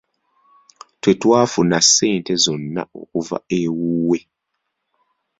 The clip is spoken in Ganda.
Tetwafuna ssente zonna kuva ewuwe.